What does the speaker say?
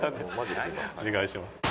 お願いします。